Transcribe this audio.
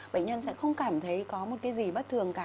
bệnh nhân sẽ không cảm thấy có một cái gì bất thường cả